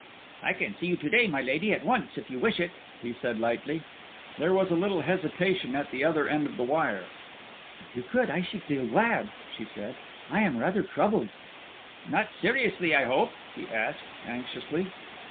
"I can see you to day, my lady, at once, if you wish it," he said, lightly. There was a little hesitation at the other end of the wire. "If you could, I should feel glad," she said. "I am rather troubled." "Not seriously, I hope?" he asked, anxiously.